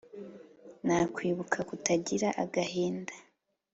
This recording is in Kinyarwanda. nta kwibuka kutagira agahinda